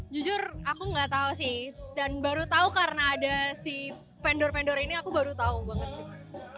jujur aku gak tau sih dan baru tau karena ada si vendor vendor ini aku baru tau banget